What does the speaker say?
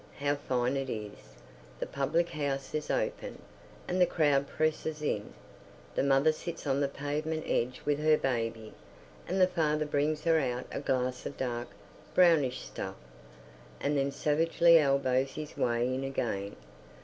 How fine it is! The public house is open, and the crowd presses in. The mother sits on the pavement edge with her baby, and the father brings her out a glass of dark, brownish stuff, and then savagely elbows his way in again.